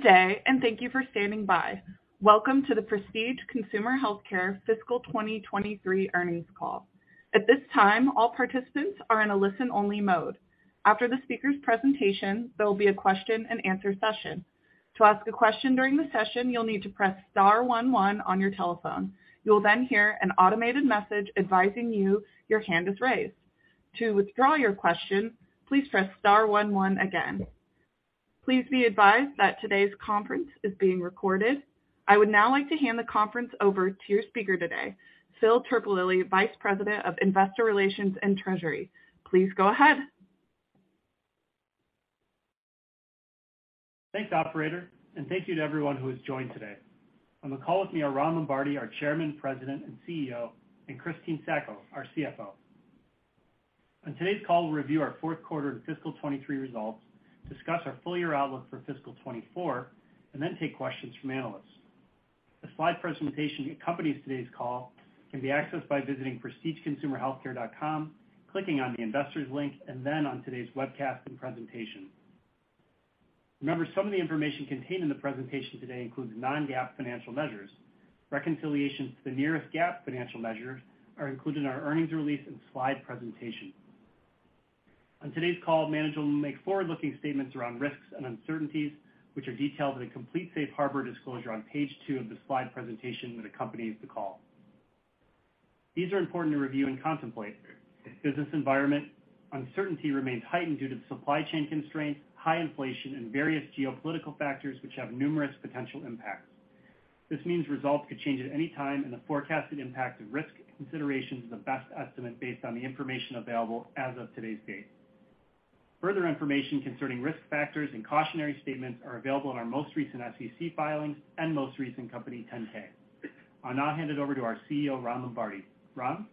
Good day, thank you for standing by. Welcome to the Prestige Consumer Healthcare Fiscal 2023 earnings call. At this time, all participants are in a listen-only mode. After the speaker's presentation, there will be a question-and-answer session. To ask a question during the session, you'll need to press star one one on your telephone. You'll hear an automated message advising you your hand is raised. To withdraw your question, please press star one one again. Please be advised that today's conference is being recorded. I would now like to hand the conference over to your speaker today, Phil Terpolilli, Vice President of Investor Relations and Treasury. Please go ahead. Thanks, operator, thank you to everyone who has joined today. On the call with me are Ron Lombardi, our Chairman, President, and CEO; and Christine Sacco, our CFO. On today's call, we'll review our fourth quarter and fiscal 2023 results, discuss our full-year outlook for fiscal 2024, and then take questions from analysts. The slide presentation that accompanies today's call can be accessed by visiting prestigeconsumerhealthcare.com, clicking on the Investors link, and then on today's webcast and presentation. Remember, some of the information contained in the presentation today includes non-GAAP financial measures. Reconciliations to the nearest GAAP financial measures are included in our earnings release and slide presentation. On today's call, management will make forward-looking statements around risks and uncertainties, which are detailed in a complete safe harbor disclosure on page two of the slide presentation that accompanies the call. These are important to review and contemplate. The business environment uncertainty remains heightened due to supply chain constraints, high inflation, and various geopolitical factors which have numerous potential impacts. This means results could change at any time, and the forecasted impact of risk consideration is the best estimate based on the information available as of today's date. Further information concerning risk factors and cautionary statements are available in our most recent SEC filings and most recent company 10-K. I'll now hand it over to our CEO, Ron Lombardi. Ron?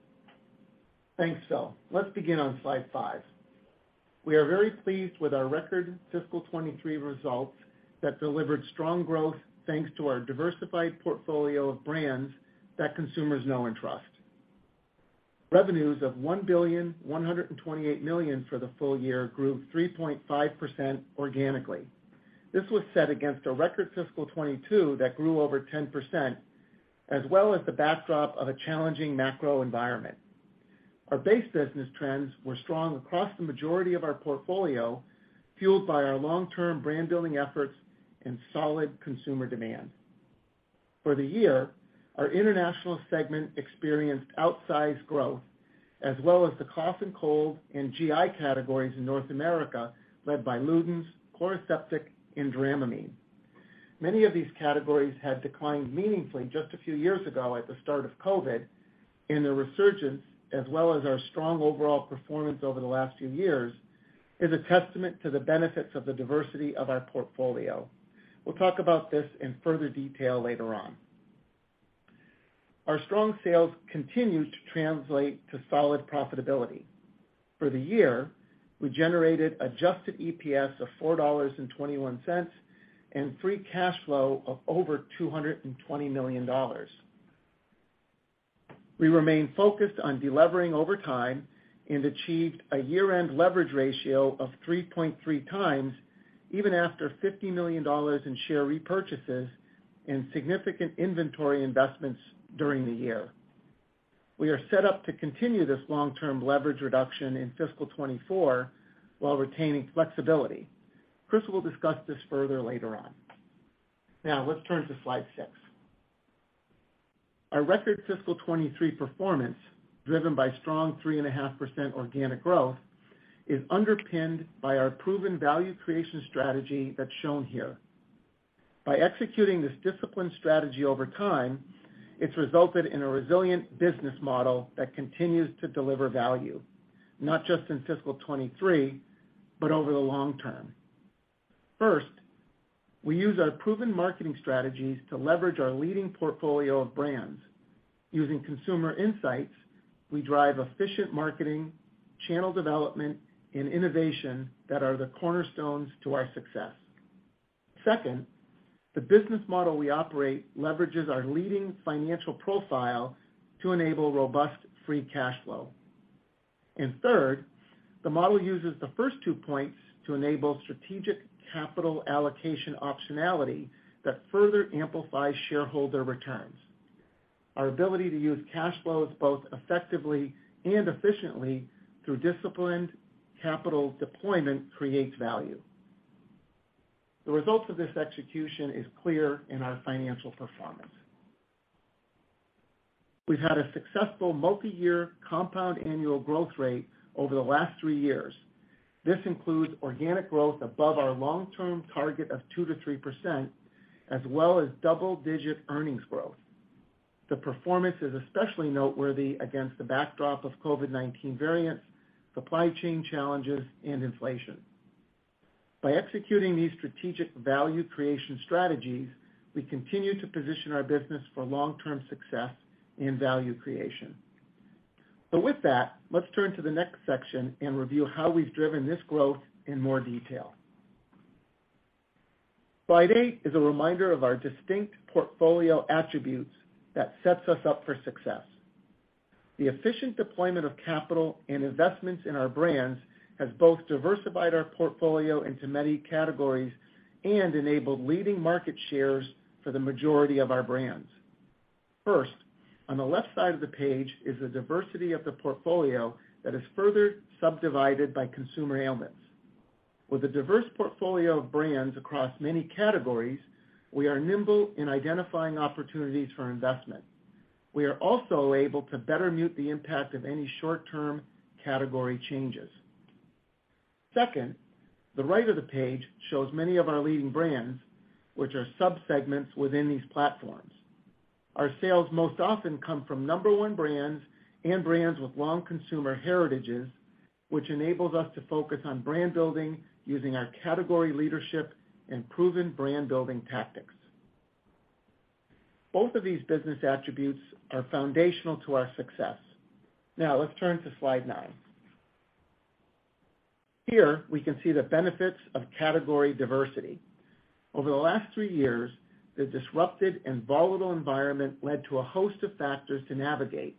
Thanks, Phil. Let's begin on slide five. We are very pleased with our record fiscal 2023 results that delivered strong growth thanks to our diversified portfolio of brands that consumers know and trust. Revenues of $1.128 billion for the full year grew 3.5% organically. This was set against a record fiscal 2022 that grew over 10%, as well as the backdrop of a challenging macro environment. Our base business trends were strong across the majority of our portfolio, fueled by our long-term brand building efforts and solid consumer demand. For the year, our international segment experienced outsized growth, as well as the cough and cold and GI categories in North America, led by Luden's, Chloraseptic, and Dramamine. Many of these categories had declined meaningfully just a few years ago at the start of COVID, and their resurgence, as well as our strong overall performance over the last few years, is a testament to the benefits of the diversity of our portfolio. We'll talk about this in further detail later on. Our strong sales continue to translate to solid profitability. For the year, we generated adjusted EPS of $4.21 and free cash flow of over $220 million. We remain focused on delevering over time and achieved a year-end leverage ratio of 3.3x, even after $50 million in share repurchases and significant inventory investments during the year. We are set up to continue this long-term leverage reduction in fiscal 2024 while retaining flexibility. Chris will discuss this further later on. Now, let's turn to slide six. Our record fiscal 2023 performance, driven by strong 3.5% organic growth, is underpinned by our proven value creation strategy that's shown here. By executing this disciplined strategy over time, it's resulted in a resilient business model that continues to deliver value, not just in fiscal 2023, but over the long term. First, we use our proven marketing strategies to leverage our leading portfolio of brands. Using consumer insights, we drive efficient marketing, channel development, and innovation that are the cornerstones to our success. Second, the business model we operate leverages our leading financial profile to enable robust free cash flow. Third, the model uses the first two points to enable strategic capital allocation optionality that further amplifies shareholder returns. Our ability to use cash flows both effectively and efficiently through disciplined capital deployment creates value. The results of this execution is clear in our financial performance. We've had a successful multiyear compound annual growth rate over the last three years. This includes organic growth above our long-term target of 2%-3%, as well as double-digit earnings growth. The performance is especially noteworthy against the backdrop of COVID-19 variants, supply chain challenges, and inflation. By executing these strategic value creation strategies, we continue to position our business for long-term success and value creation. With that, let's turn to the next section and review how we've driven this growth in more detail. Slide eight is a reminder of our distinct portfolio attributes that sets us up for success. The efficient deployment of capital and investments in our brands has both diversified our portfolio into many categories and enabled leading market shares for the majority of our brands. First, on the left side of the page is the diversity of the portfolio that is further subdivided by consumer ailments. With a diverse portfolio of brands across many categories, we are nimble in identifying opportunities for investment. We are also able to better mute the impact of any short-term category changes. Second, the right of the page shows many of our leading brands, which are sub-segments within these platforms. Our sales most often come from number one brands and brands with long consumer heritages, which enables us to focus on brand building using our category leadership and proven brand-building tactics. Both of these business attributes are foundational to our success. Now, let's turn to slide nine. Here, we can see the benefits of category diversity. Over the last three years, the disrupted and volatile environment led to a host of factors to navigate,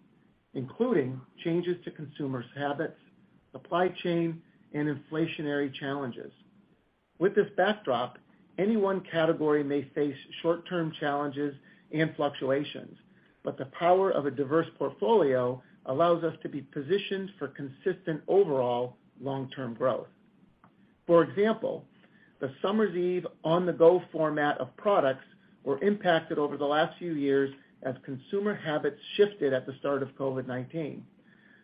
including changes to consumers' habits, supply chain, and inflationary challenges. With this backdrop, any one category may face short-term challenges and fluctuations, but the power of a diverse portfolio allows us to be positioned for consistent overall long-term growth. For example, the Summer's Eve on-the-go format of products were impacted over the last few years as consumer habits shifted at the start of COVID-19.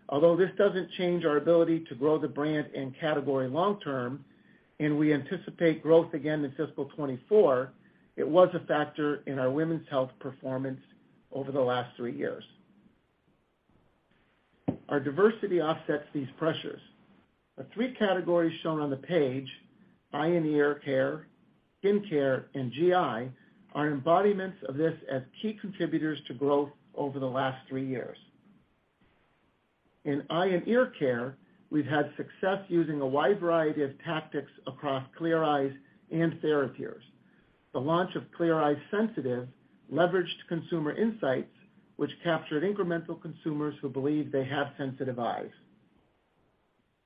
Although this doesn't change our ability to grow the brand and category long term, and we anticipate growth again in fiscal 2024, it was a factor in our women's health performance over the last three years. Our diversity offsets these pressures. The three categories shown on the page, eye and ear care, skin care, and GI, are embodiments of this as key contributors to growth over the last three years. In eye and ear care, we've had success using a wide variety of tactics across Clear Eyes and TheraTears. The launch of Clear Eyes Sensitive leveraged consumer insights, which captured incremental consumers who believe they have sensitive eyes.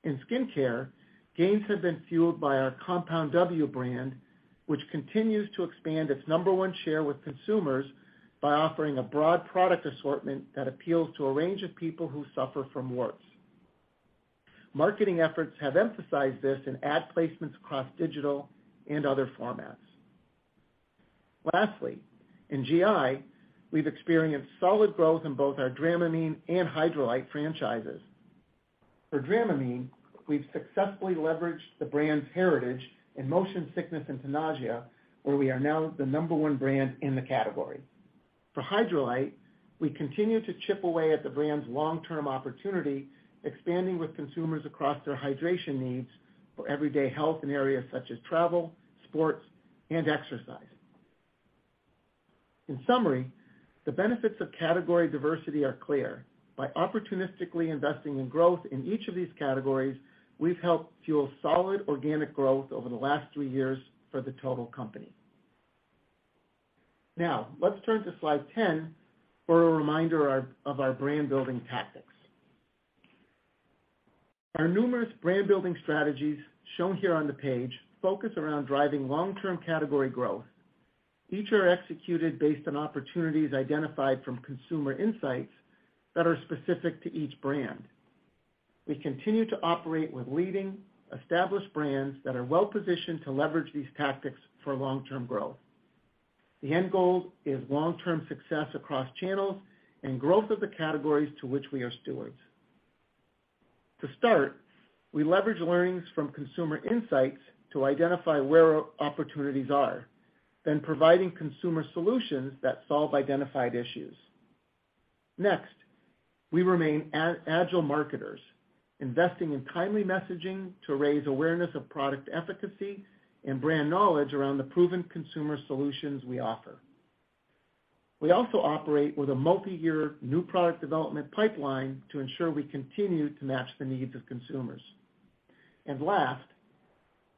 In skin care, gains have been fueled by our Compound W brand, which continues to expand its number one share with consumers by offering a broad product assortment that appeals to a range of people who suffer from warts. Marketing efforts have emphasized this in ad placements across digital and other formats. Lastly, in GI, we've experienced solid growth in both our Dramamine and Hydralyte franchises. For Dramamine, we've successfully leveraged the brand's heritage in motion sickness and nausea, where we are now the number one brand in the category. For Hydralyte, we continue to chip away at the brand's long-term opportunity, expanding with consumers across their hydration needs for everyday health in areas such as travel, sports, and exercise. In summary, the benefits of category diversity are clear. By opportunistically investing in growth in each of these categories, we've helped fuel solid organic growth over the last three years for the total company. Let's turn to slide 10 for a reminder of our brand-building tactics. Our numerous brand-building strategies shown here on the page focus around driving long-term category growth. Each are executed based on opportunities identified from consumer insights that are specific to each brand. We continue to operate with leading, established brands that are well-positioned to leverage these tactics for long-term growth. The end goal is long-term success across channels and growth of the categories to which we are stewards. To start, we leverage learnings from consumer insights to identify where our opportunities are, then providing consumer solutions that solve identified issues. Next, we remain agile marketers, investing in timely messaging to raise awareness of product efficacy and brand knowledge around the proven consumer solutions we offer. We also operate with a multi-year new product development pipeline to ensure we continue to match the needs of consumers. Last,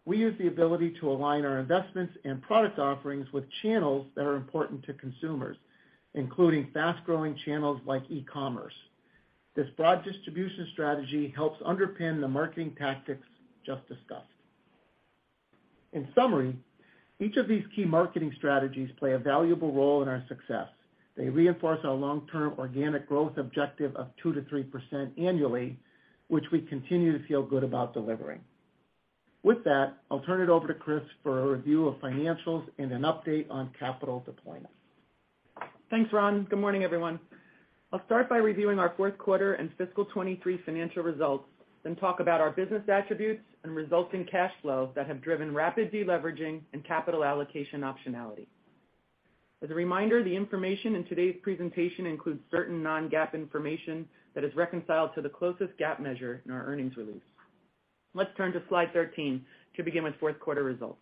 we use the ability to align our investments and product offerings with channels that are important to consumers, including fast-growing channels like e-commerce. This broad distribution strategy helps underpin the marketing tactics just discussed. In summary, each of these key marketing strategies play a valuable role in our success. They reinforce our long-term organic growth objective of 2%-3% annually, which we continue to feel good about delivering. With that, I'll turn it over to Chris for a review of financials and an update on capital deployment. Thanks, Ron. Good morning, everyone. I'll start by reviewing our fourth quarter and fiscal 2023 financial results, then talk about our business attributes and resulting cash flow that have driven rapid deleveraging and capital allocation optionality. As a reminder, the information in today's presentation includes certain non-GAAP information that is reconciled to the closest GAAP measure in our earnings release. Let's turn to slide 13 to begin with fourth quarter results.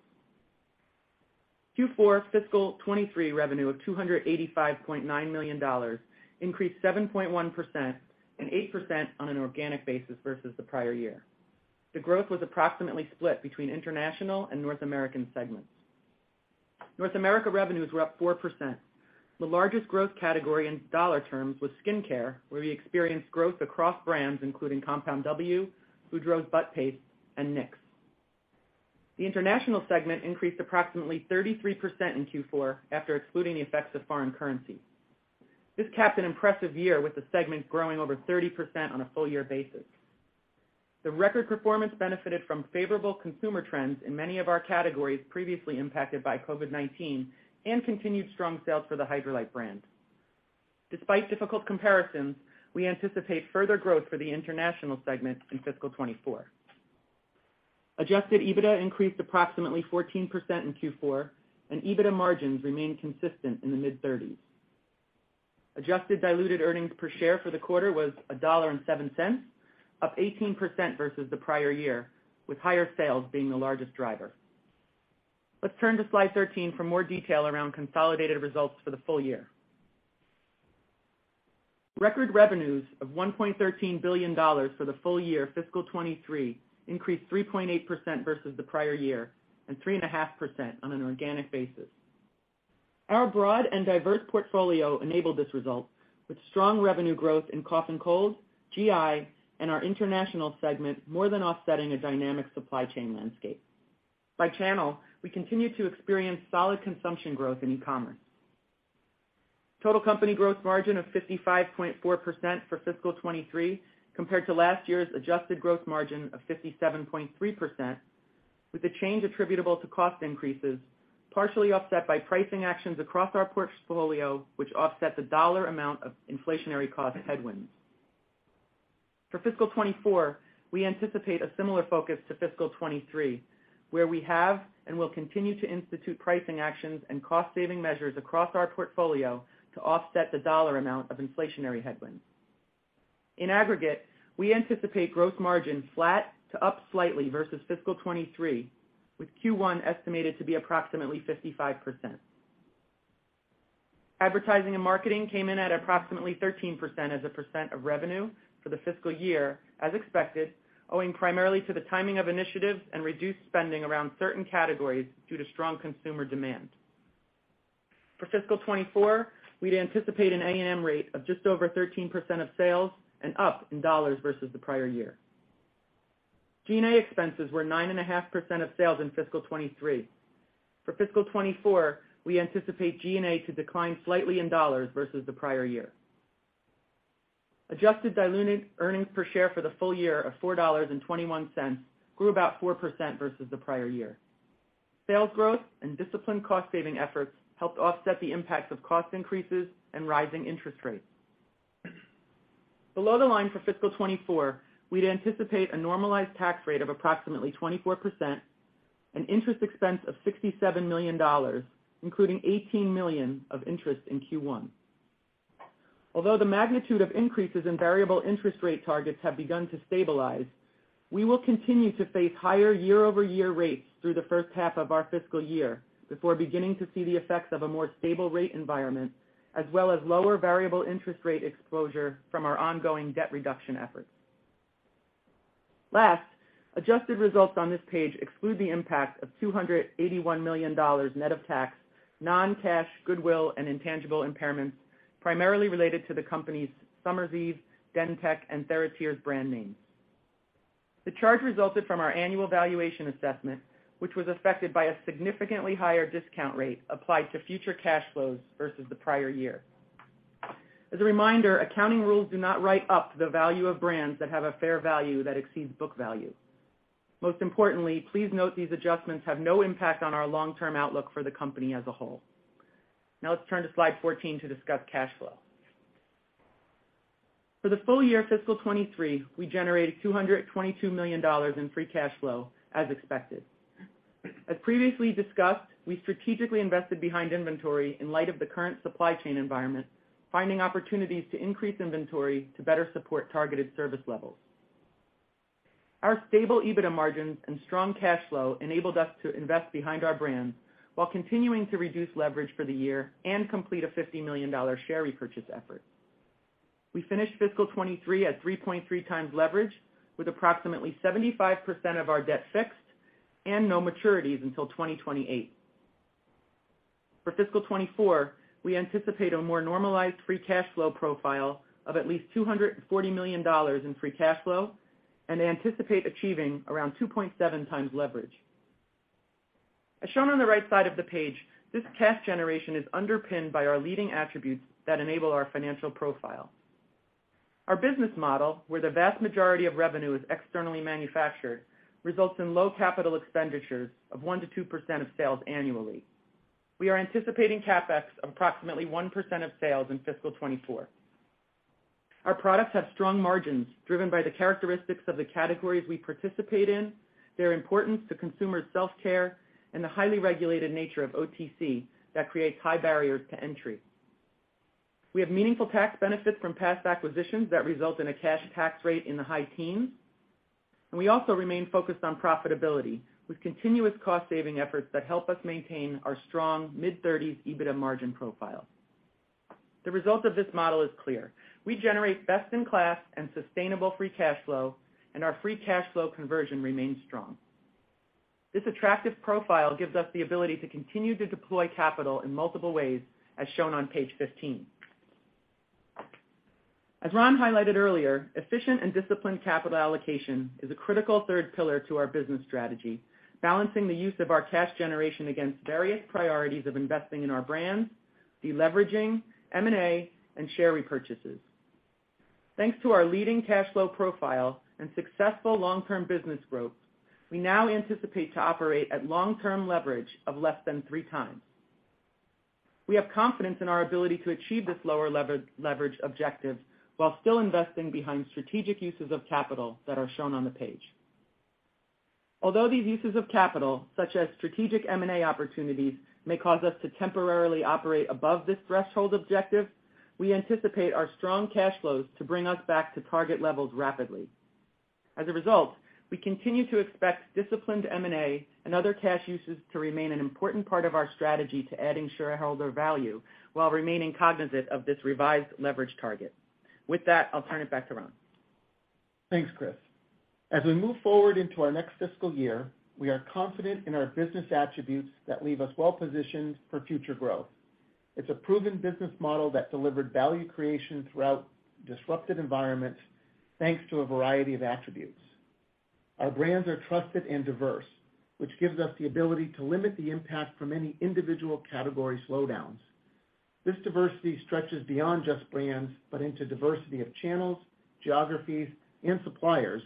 Q4 fiscal 2023 revenue of $285.9 million increased 7.1% and 8% on an organic basis versus the prior year. The growth was approximately split between international and North American segments. North America revenues were up 4%. The largest growth category in dollar terms was skincare, where we experienced growth across brands including Compound W, Boudreaux's Butt Paste, and Nix. The international segment increased approximately 33% in Q4 after excluding the effects of foreign currency. This capped an impressive year, with the segment growing over 30% on a full year basis. The record performance benefited from favorable consumer trends in many of our categories previously impacted by COVID-19 and continued strong sales for the Hydralyte brand. Despite difficult comparisons, we anticipate further growth for the international segment in fiscal 2024. Adjusted EBITDA increased approximately 14% in Q4 and EBITDA margins remained consistent in the mid-thirties. Adjusted diluted earnings per share for the quarter was $1.7, up 18% versus the prior year, with higher sales being the largest driver. Let's turn to slide 13 for more detail around consolidated results for the full year. Record revenues of $1.13 billion for the full year fiscal 2023 increased 3.8% versus the prior year and 3.5% on an organic basis. Our broad and diverse portfolio enabled this result, with strong revenue growth in cough and cold, GI, and our international segment more than offsetting a dynamic supply chain landscape. By channel, we continue to experience solid consumption growth in e-commerce. Total company growth margin of 55.4% for fiscal 2023 compared to last year's adjusted growth margin of 57.3%, with the change attributable to cost increases, partially offset by pricing actions across our portfolio, which offset the dollar amount of inflationary cost headwinds. For fiscal 2024, we anticipate a similar focus to fiscal 2023, where we have and will continue to institute pricing actions and cost saving measures across our portfolio to offset the dollar amount of inflationary headwinds. In aggregate, we anticipate growth margin flat to up slightly versus fiscal 2023, with Q1 estimated to be approximately 55%. Advertising and marketing came in at approximately 13% as a percent of revenue for the fiscal year, as expected, owing primarily to the timing of initiatives and reduced spending around certain categories due to strong consumer demand. For fiscal 2024, we'd anticipate an A&M rate of just over 13% of sales and up in dollars versus the prior year. G&A expenses were 9.5% of sales in fiscal 2023. For fiscal 2024, we anticipate G&A to decline slightly in dollars versus the prior year. Adjusted diluted earnings per share for the full year of $4.21 grew about 4% versus the prior year. Sales growth and disciplined cost saving efforts helped offset the impacts of cost increases and rising interest rates. Below the line for fiscal 2024, we'd anticipate a normalized tax rate of approximately 24% and interest expense of $67 million, including $18 million of interest in Q1. Although the magnitude of increases in variable interest rate targets have begun to stabilize, we will continue to face higher year-over-year rates through the first half of our fiscal year before beginning to see the effects of a more stable rate environment as well as lower variable interest rate exposure from our ongoing debt reduction efforts. Last, adjusted results on this page exclude the impact of $281 million net of tax, non-cash goodwill and intangible impairments primarily related to the company's Summer's Eve, DenTek and TheraTears brand names. The charge resulted from our annual valuation assessment, which was affected by a significantly higher discount rate applied to future cash flows versus the prior year. As a reminder, accounting rules do not write up the value of brands that have a fair value that exceeds book value. Most importantly, please note these adjustments have no impact on our long-term outlook for the company as a whole. Now let's turn to slide 14 to discuss cash flow. For the full year fiscal 2023, we generated $222 million in free cash flow, as expected. As previously discussed, we strategically invested behind inventory in light of the current supply chain environment, finding opportunities to increase inventory to better support targeted service levels. Our stable EBITDA margins and strong cash flow enabled us to invest behind our brands while continuing to reduce leverage for the year and complete a $50 million share repurchase effort. We finished fiscal 2023 at 3.3x leverage, with approximately 75% of our debt fixed and no maturities until 2028. For fiscal 2024, we anticipate a more normalized free cash flow profile of at least $240 million in free cash flow and anticipate achieving around 2.7x leverage. As shown on the right side of the page, this cash generation is underpinned by our leading attributes that enable our financial profile. Our business model, where the vast majority of revenue is externally manufactured, results in low capital expenditures of 1%-2% of sales annually. We are anticipating CapEx of approximately 1% of sales in fiscal 2024. Our products have strong margins driven by the characteristics of the categories we participate in, their importance to consumer self-care and the highly regulated nature of OTC that creates high barriers to entry. We have meaningful tax benefits from past acquisitions that result in a cash tax rate in the high teens. We also remain focused on profitability with continuous cost saving efforts that help us maintain our strong mid-30s EBITDA margin profile. The result of this model is clear. We generate best in class and sustainable free cash flow, and our free cash flow conversion remains strong. This attractive profile gives us the ability to continue to deploy capital in multiple ways as shown on page 15. As Ron highlighted earlier, efficient and disciplined capital allocation is a critical third pillar to our business strategy, balancing the use of our cash generation against various priorities of investing in our brands, deleveraging, M&A, and share repurchases. Thanks to our leading cash flow profile and successful long-term business growth, we now anticipate to operate at long-term leverage of less than 3x. We have confidence in our ability to achieve this lower leverage objective while still investing behind strategic uses of capital that are shown on the page. These uses of capital, such as strategic M&A opportunities, may cause us to temporarily operate above this threshold objective, we anticipate our strong cash flows to bring us back to target levels rapidly. As a result, we continue to expect disciplined M&A and other cash uses to remain an important part of our strategy to adding shareholder value while remaining cognizant of this revised leverage target. With that, I'll turn it back to Ron. Thanks, Chris. As we move forward into our next fiscal year, we are confident in our business attributes that leave us well-positioned for future growth. It's a proven business model that delivered value creation throughout disrupted environments, thanks to a variety of attributes. Our brands are trusted and diverse, which gives us the ability to limit the impact from any individual category slowdowns. This diversity stretches beyond just brands, but into diversity of channels, geographies, and suppliers,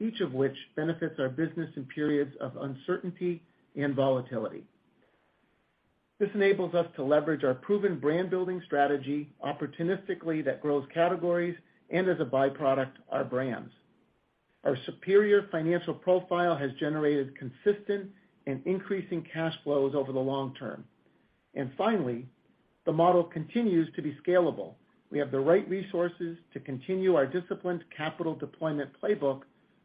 each of which benefits our business in periods of uncertainty and volatility. This enables us to leverage our proven brand-building strategy opportunistically that grows categories and as a by-product, our brands. Our superior financial profile has generated consistent and increasing cash flows over the long term. Finally, the model continues to be scalable. We have the right resources to continue our disciplined capital deployment playbook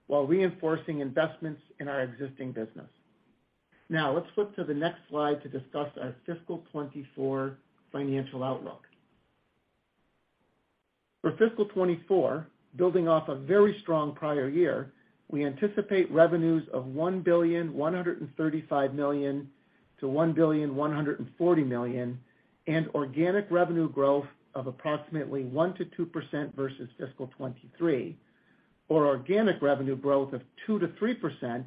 while reinforcing investments in our existing business. Let's flip to the next slide to discuss our fiscal 2024 financial outlook. For fiscal 2024, building off a very strong prior year, we anticipate revenues of $1.135 billion-$1.140 billion and organic revenue growth of approximately 1%-2% versus fiscal 2023 or organic revenue growth of 2%-3%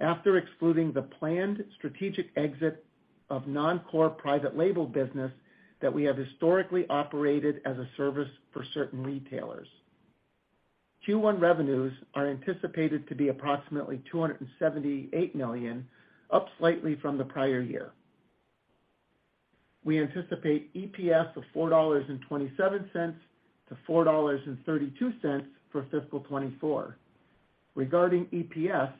after excluding the planned strategic exit of non-core private label business that we have historically operated as a service for certain retailers. Q1 revenues are anticipated to be approximately $278 million, up slightly from the prior year. We anticipate EPS of $4.27-$4.32 for fiscal 2024. Regarding EPS,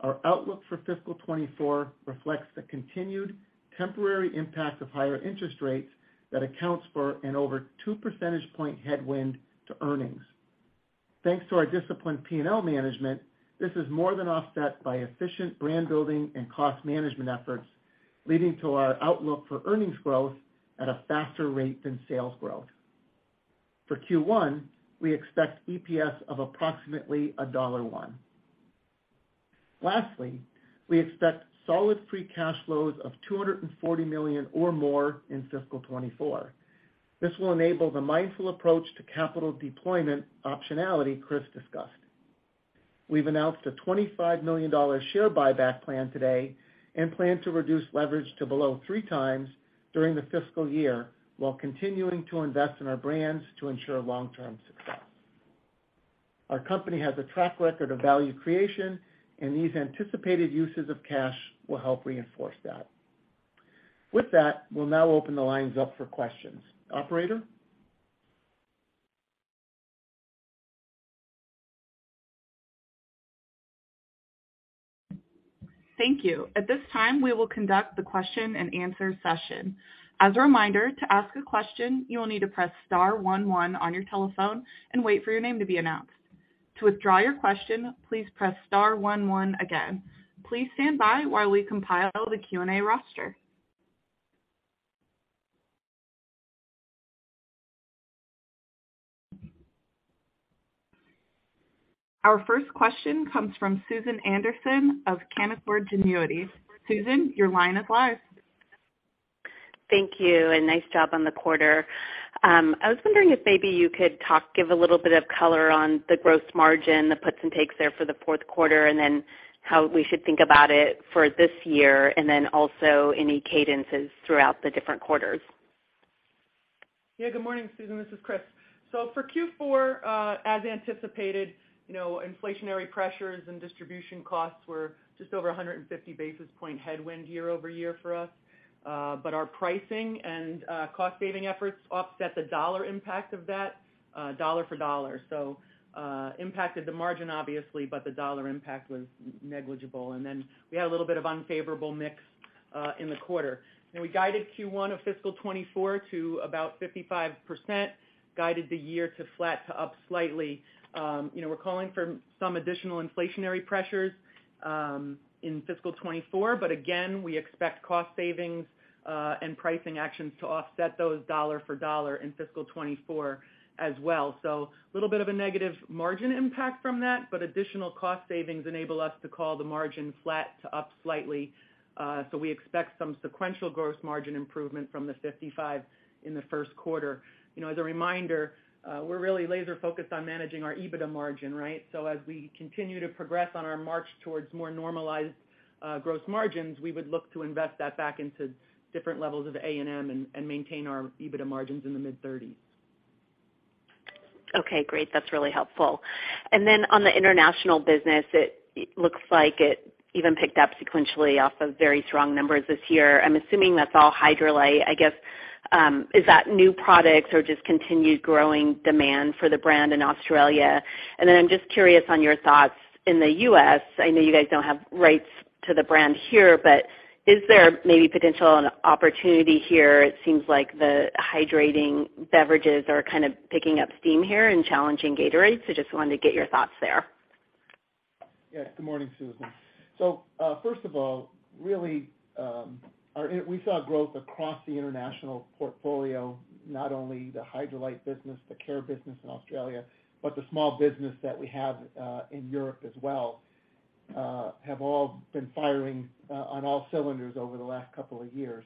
our outlook for fiscal 2024 reflects the continued temporary impact of higher interest rates that accounts for an over 2 percentage point headwind to earnings. Thanks to our disciplined P&L management, this is more than offset by efficient brand building and cost management efforts, leading to our outlook for earnings growth at a faster rate than sales growth. For Q1, we expect EPS of approximately $1.01. Lastly, we expect solid free cash flows of $240 million or more in fiscal 2024. This will enable the mindful approach to capital deployment optionality Chris discussed. We've announced a $25 million share buyback plan today and plan to reduce leverage to below 3x during the fiscal year while continuing to invest in our brands to ensure long-term success. Our company has a track record of value creation, and these anticipated uses of cash will help reinforce that. With that, we'll now open the lines up for questions. Operator? Thank you. At this time, we will conduct the question-and-answer session. As a reminder, to ask a question, you will need to press star one one on your telephone and wait for your name to be announced. To withdraw your question, please press star one one again. Please stand by while we compile the Q&A roster. Our first question comes from Susan Anderson of Canaccord Genuity. Susan, your line is live. Thank you. Nice job on the quarter. I was wondering if maybe you could give a little bit of color on the gross margin, the puts and takes there for the fourth quarter, and then how we should think about it for this year, and then also any cadences throughout the different quarters. Yeah, good morning, Susan, this is Chris. For Q4, as anticipated, you know, inflationary pressures and distribution costs were just over 150 basis point headwind year-over-year for us. Our pricing and cost-saving efforts offset the dollar impact of that dollar for dollar. Impacted the margin obviously, the dollar impact was negligible. We had a little bit of unfavorable mix in the quarter. We guided Q1 of fiscal 2024 to about 55%, guided the year to flat to up slightly. You know, we're calling for some additional inflationary pressures in fiscal 2024, again, we expect cost savings and pricing actions to offset those dollar for dollar in fiscal 2024 as well. Little bit of a negative margin impact from that, but additional cost savings enable us to call the margin flat to up slightly. We expect some sequential gross margin improvement from the 55% in the first quarter. You know, as a reminder, we're really laser focused on managing our EBITDA margin, right? As we continue to progress on our march towards more normalized gross margins, we would look to invest that back into different levels of A&M and maintain our EBITDA margins in the mid-30s%. Okay, great. That's really helpful. On the international business, it looks like it even picked up sequentially off of very strong numbers this year. I'm assuming that's all Hydralyte. I guess, is that new products or just continued growing demand for the brand in Australia? I'm just curious on your thoughts in the U.S., I know you guys don't have rights to the brand here, but is there maybe potential and opportunity here? It seems like the hydrating beverages are kind of picking up steam here and challenging Gatorade. Just wanted to get your thoughts there. Yes, good morning, Susan. First of all, really, we saw growth across the international portfolio, not only the Hydralyte business, the care business in Australia, but the small business that we have in Europe as well, have all been firing on all cylinders over the last couple of years.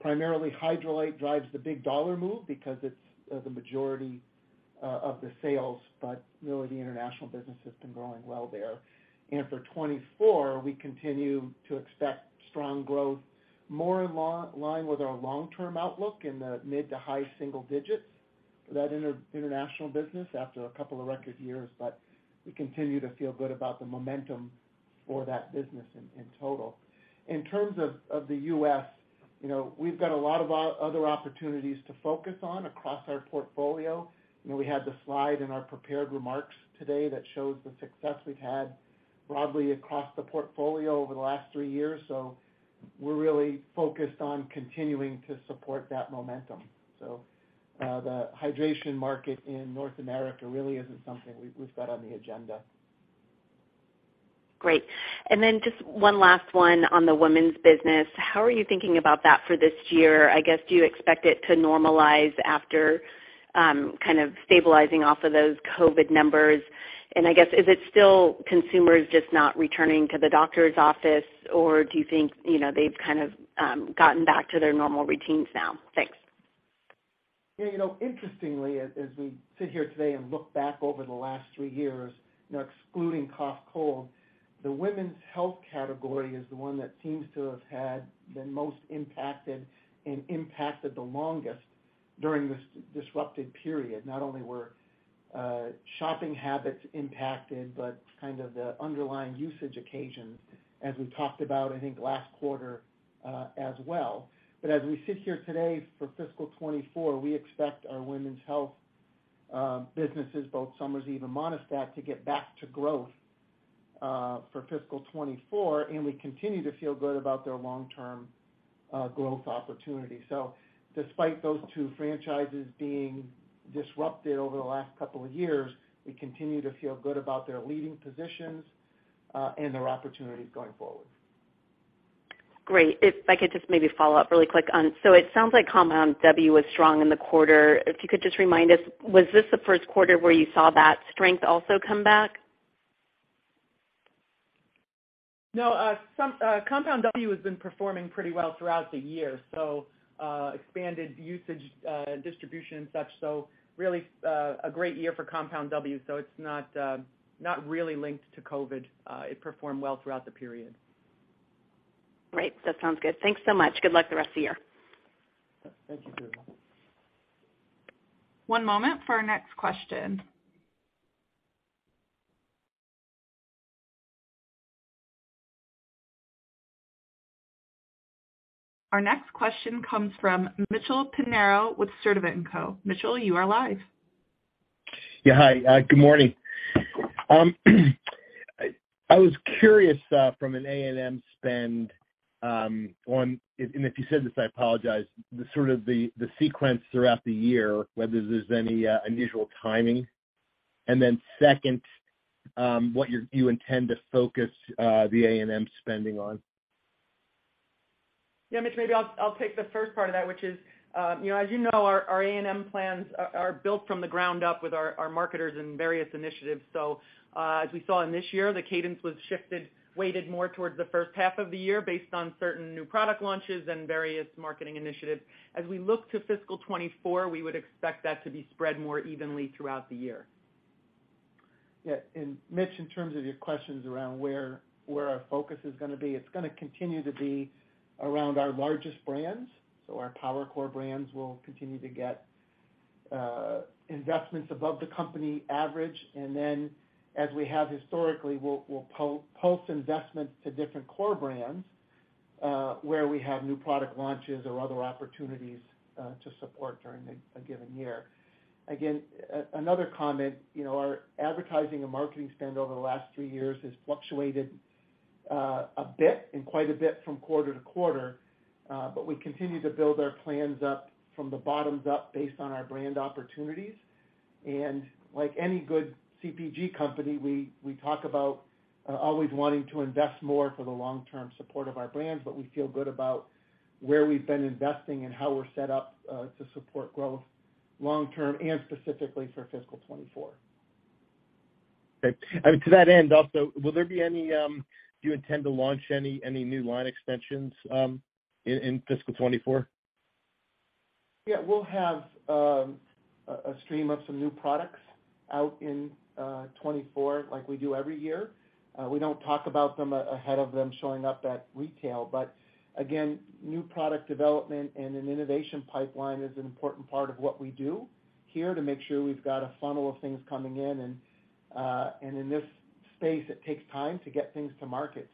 Primarily, Hydralyte drives the big dollar move because it's the majority of the sales, but really the international business has been growing well there. For 2024, we continue to expect strong growth, more in line with our long-term outlook in the mid-to-high single digits for that international business after a couple of record years, but we continue to feel good about the momentum for that business in total. In terms of the U.S., you know, we've got a lot of other opportunities to focus on across our portfolio. You know, we had the slide in our prepared remarks today that shows the success we've had broadly across the portfolio over the last three years. We're really focused on continuing to support that momentum. The hydration market in North America really isn't something we've got on the agenda. Great. Just one last one on the women's business. How are you thinking about that for this year? I guess, do you expect it to normalize after, kind of stabilizing off of those COVID numbers? I guess, is it still consumers just not returning to the doctor's office, or do you think, you know, they've kind of, gotten back to their normal routines now? Thanks. Yeah, you know, interestingly, as we sit here today and look back over the last three years, you know, excluding cough, cold, the women's health category is the one that seems to have been most impacted and impacted the longest during this disrupted period. Not only were shopping habits impacted, but kind of the underlying usage occasions as we talked about, I think, last quarter as well. As we sit here today for fiscal 2024, we expect our women's health businesses, both Summer's Eve and Monistat, to get back to growth for fiscal 2024, and we continue to feel good about their long-term growth opportunity. Despite those two franchises being disrupted over the last couple of years, we continue to feel good about their leading positions and their opportunities going forward. Great. If I could just maybe follow up really quick. It sounds like Compound W was strong in the quarter. If you could just remind us, was this the first quarter where you saw that strength also come back? No. Some Compound W has been performing pretty well throughout the year, so, expanded usage, distribution and such. Really, a great year for Compound W. It's not really linked to COVID. It performed well throughout the period. Great. That sounds good. Thanks so much. Good luck the rest of the year. Thank you, Susan. One moment for our next question. Our next question comes from Mitchell Pinheiro with Sturdivant & Co. Mitchell, you are live. Yeah, hi. Good morning. I was curious from an A&M spend on. If you said this, I apologize, the sort of the sequence throughout the year, whether there's any unusual timing. Then second, what you intend to focus the A&M spending on. Yeah, Mitch, maybe I'll take the first part of that, which is, you know, as you know, our A&M plans are built from the ground up with our marketers and various initiatives. As we saw in this year, the cadence was shifted, weighted more towards the first half of the year based on certain new product launches and various marketing initiatives. As we look to Fiscal 2024, we would expect that to be spread more evenly throughout the year. Mitch, in terms of your questions around where our focus is going to be, it's going to continue to be around our largest brands. Our power core brands will continue to get investments above the company average. As we have historically, we'll post investments to different core brands where we have new product launches or other opportunities to support during a given year. Again, another comment, you know, our advertising and marketing spend over the last three years has fluctuated a bit and quite a bit from quarter to quarter. We continue to build our plans up from the bottoms up based on our brand opportunities. Like any good CPG company, we talk about always wanting to invest more for the long-term support of our brands, but we feel good about where we've been investing and how we're set up to support growth long-term and specifically for fiscal 2024. Okay. To that end, also, do you intend to launch any new line extensions, in fiscal 2024? Yeah, we'll have a stream of some new products out in 2024 like we do every year. We don't talk about them ahead of them showing up at retail, again, new product development and an innovation pipeline is an important part of what we do here to make sure we've got a funnel of things coming in. In this space, it takes time to get things to market.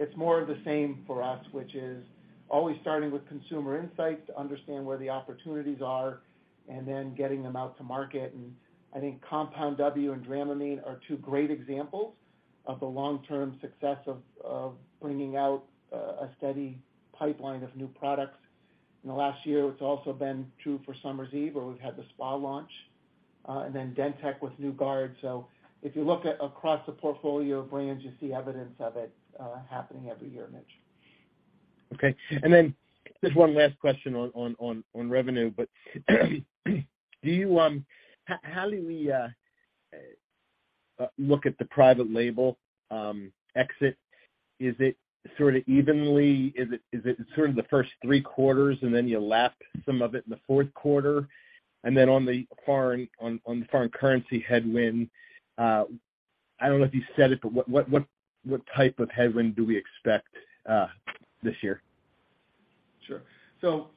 It's more of the same for us, which is always starting with consumer insights to understand where the opportunities are and then getting them out to market. I think Compound W and Dramamine are two great examples of the long-term success of bringing out a steady pipeline of new products. In the last year, it's also been true for Summer's Eve, where we've had the spa launch, and then DenTek with NiteGuard. If you look at across the portfolio of brands, you see evidence of it, happening every year, Mitch. Okay. Just one last question on revenue. Do you, how do we look at the private label exit? Is it sort of evenly? Is it sort of the first three quarters, and then you lap some of it in the fourth quarter? On the foreign currency headwind, I don't know if you said it, but what type of headwind do we expect this year? Sure.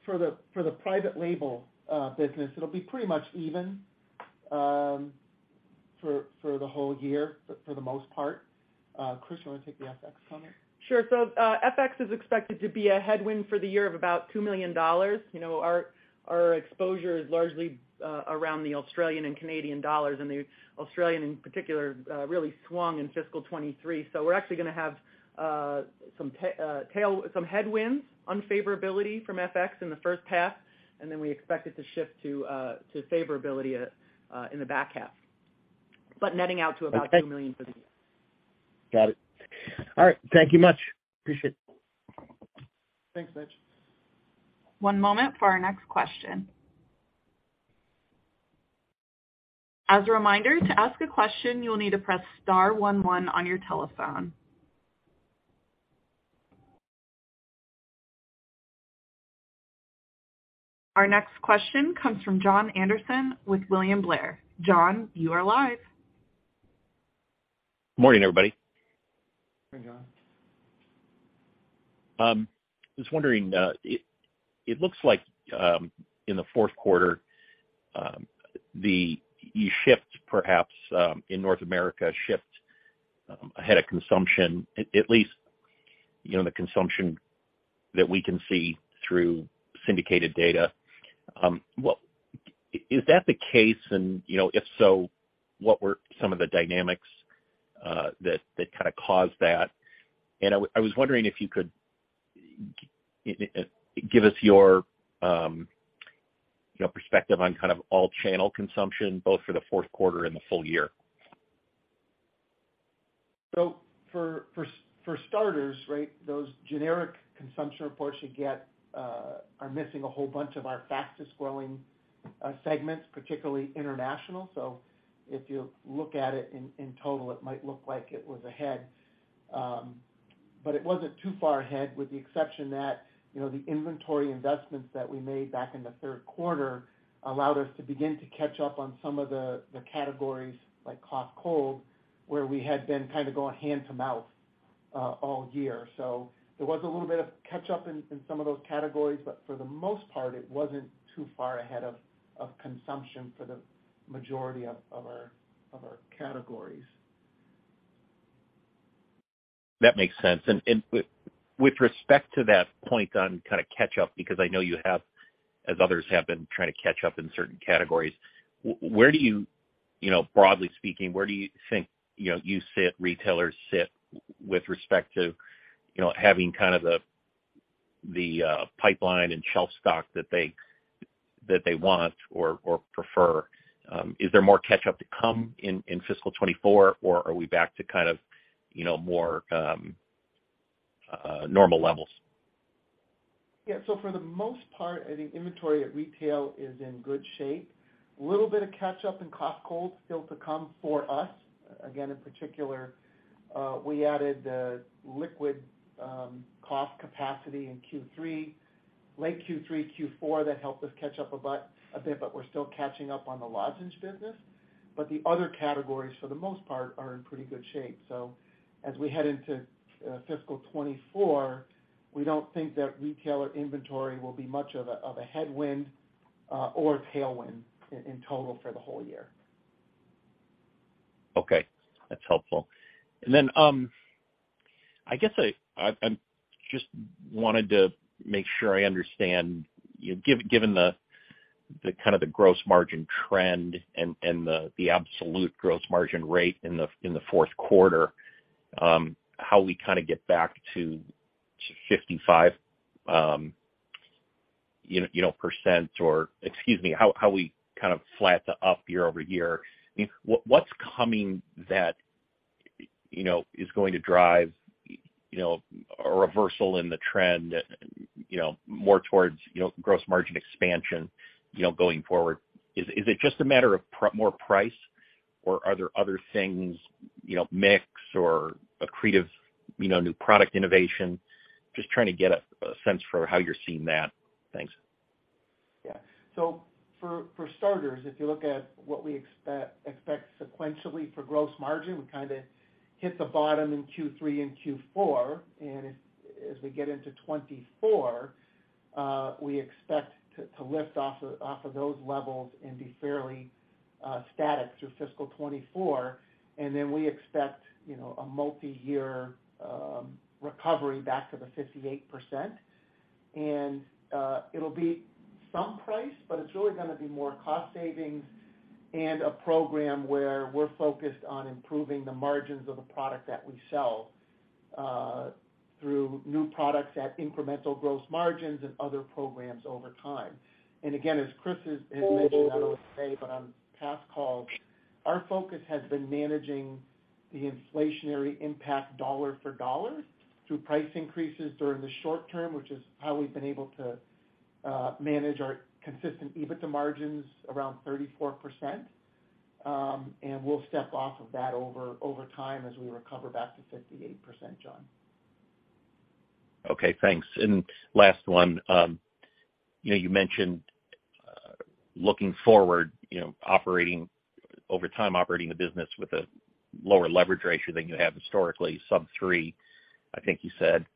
For the private label business, it'll be pretty much even, for the whole year for the most part. Chris, you wanna take the FX comment? Sure. FX is expected to be a headwind for the year of about $2 million. You know, our exposure is largely around the Australian and Canadian dollars, and the Australian in particular really swung in fiscal 2023. We're actually gonna have some headwinds, unfavorability from FX in the first half, and then we expect it to shift to favorability in the back half. Netting out to about $2 million for the year. Got it. All right. Thank you much. Appreciate it. Thanks, Mitch. One moment for our next question. As a reminder, to ask a question, you will need to press star one one on your telephone. Our next question comes from Jon Andersen with William Blair. John, you are live. Morning, everybody. Morning, Jon. I was wondering, it looks like, in the fourth quarter, you shift perhaps in North America, shift ahead of consumption, at least, you know, the consumption that we can see through syndicated data. Is that the case? You know, if so, what were some of the dynamics that kinda caused that? I was wondering if you could give us your, you know, perspective on kind of all channel consumption, both for the fourth quarter and the full year. For starters, right, those generic consumption reports you get are missing a whole bunch of our fastest growing segments, particularly international. If you look at it in total, it might look like it was ahead. It wasn't too far ahead with the exception that, you know, the inventory investments that we made back in the third quarter allowed us to begin to catch up on some of the categories like cough, cold, where we had been kind of going hand to mouth all year. There was a little bit of catch up in some of those categories, but for the most part, it wasn't too far ahead of consumption for the majority of our categories. That makes sense. And with respect to that point on kinda catch up, because I know you have, as others have, been trying to catch up in certain categories. Where do you know, broadly speaking, where do you think, you know, you sit, retailers sit with respect to, you know, having kind of the pipeline and shelf stock that they, that they want or prefer? Is there more catch up to come in fiscal 2024, or are we back to kind of, you know, more normal levels? Yeah. For the most part, I think inventory at retail is in good shape. A little bit of catch up in cough, cold still to come for us. Again, in particular, we added liquid cough capacity in Q3, late Q3, Q4. That helped us catch up a bit, we're still catching up on the lozenge business. The other categories, for the most part, are in pretty good shape. As we head into fiscal 2024, we don't think that retailer inventory will be much of a headwind or tailwind in total for the whole year. Okay, that's helpful. Then, I guess I just wanted to make sure I understand, you know, given the kind of the gross margin trend and the absolute gross margin rate in the fourth quarter, how we kinda get back to 55%, you know, percent or, excuse me, how we kind of flat to up year-over-year? What's coming that, you know, is going to drive, you know, a reversal in the trend, you know, more towards, you know, gross margin expansion, you know, going forward? Is it just a matter of more price, or are there other things, you know, mix or accretive, you know, new product innovation? Just trying to get a sense for how you're seeing that. Thanks. For starters, if you look at what we expect sequentially for gross margin, we kinda hit the bottom in Q3 and Q4. As we get into 2024, we expect to lift off of those levels and be fairly static through fiscal 2024. We expect, you know, a multiyear recovery back to the 58%. It'll be some price, but it's really gonna be more cost savings and a program where we're focused on improving the margins of the product that we sell through new products at incremental gross margins and other programs over time. Again, as Chris has mentioned, I don't know today, but on past calls, our focus has been managing the inflationary impact dollar for dollar through price increases during the short term, which is how we've been able to manage our consistent EBITDA margins around 34%. We'll step off of that over time as we recover back to 58%, Jon. Okay, thanks. Last one. you know, you mentioned, looking forward, you know, over time operating the business with a lower leverage ratio than you have historically, sub-three, I think you said.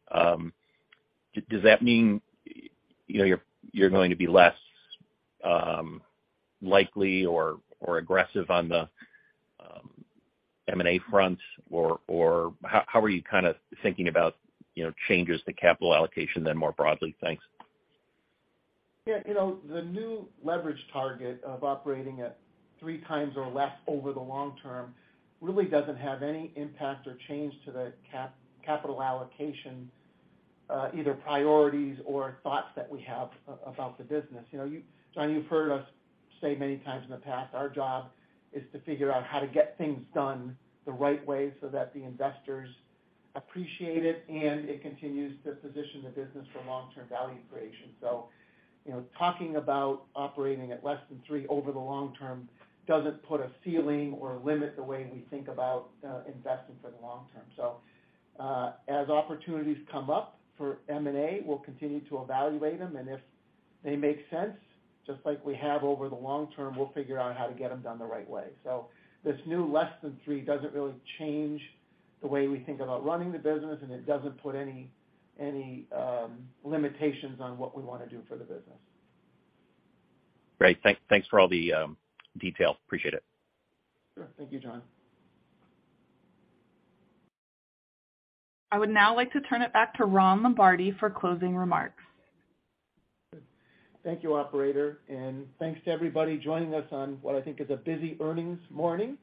Does that mean, you know, you're going to be less, likely or aggressive on the M&A fronts? How are you kinda thinking about, you know, changes to capital allocation then more broadly? Thanks. Yeah, you know, the new leverage target of operating at 3x or less over the long term really doesn't have any impact or change to the capital allocation, either priorities or thoughts that we have about the business. You know, Jon, you've heard us say many times in the past, our job is to figure out how to get things done the right way so that the investors appreciate it and it continues to position the business for long-term value creation. You know, talking about operating at less than three over the long term doesn't put a ceiling or limit the way we think about investing for the long term. As opportunities come up for M&A, we'll continue to evaluate them, and if they make sense, just like we have over the long term, we'll figure out how to get them done the right way. This new less than three doesn't really change the way we think about running the business, and it doesn't put any limitations on what we wanna do for the business. Great. Thanks for all the details. Appreciate it. Sure. Thank you, Jon. I would now like to turn it back to Ron Lombardi for closing remarks. Thank you, operator, and thanks to everybody joining us on what I think is a busy earnings morning.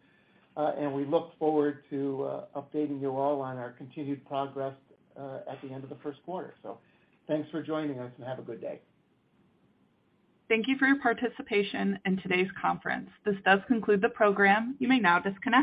We look forward to updating you all on our continued progress at the end of the first quarter. Thanks for joining us and have a good day. Thank you for your participation in today's conference. This does conclude the program. You may now disconnect.